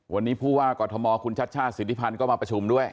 วันนี้ผู้ว่ากรทมคุณชัชชาติสิทธิพันธ์ก็มาประชุมด้วย